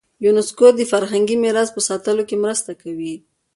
یونسکو د فرهنګي میراث په ساتلو کې مرسته کوي.